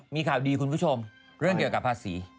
มีข่าวดีคุณผู้ชมเรื่องเกี่ยวกับภาษี